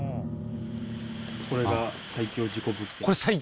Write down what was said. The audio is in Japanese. これが最恐事故物件